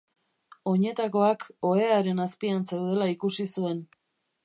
Oinetakoak ohearen azpian zeudela ikusi zuen.